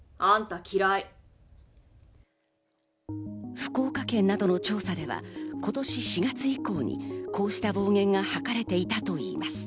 福岡県などの調査では今年４月以降にこうした暴言がはかれていたといいます。